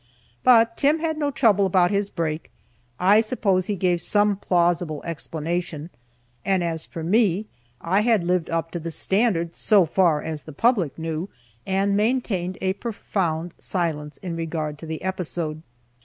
But Tim had no trouble about his break. I suppose he gave some plausible explanation, and as for me, I had lived up to the standard, so far as the public knew, and maintained a profound silence in regard to the episode.